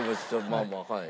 まあまあはい。